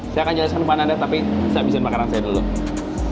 saya akan jelaskan depan anda tapi bisa habisin makanan saya dulu